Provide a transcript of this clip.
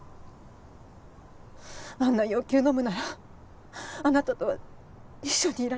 あんな要求のむならあなたとは一緒にいられない。